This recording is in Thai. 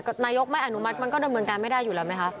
ก็นายกไม่อนุมัติมันก็ด้วยเมืองการไม่ได้อยู่แล้วไหมครับ